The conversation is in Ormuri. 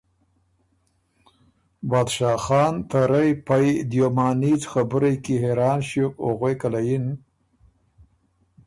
بادشاه خان ته رئ پئ دیو معنیځ خبُرئ کی حېران ݭیوک او غوېکه له یِن